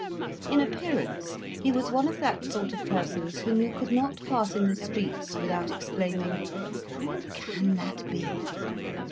In appearance he was one of that sort of persons whom you could not pass in the streets without exclaiming, "Who can that be?"